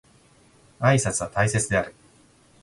挨拶は大切である